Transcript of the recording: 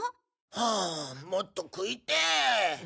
あもっと食いてぇ。